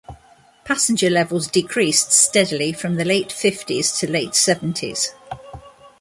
Passenger levels decreased steadily from the late fifties to late seventies.